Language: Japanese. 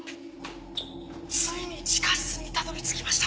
ついに地下室にたどり着きました。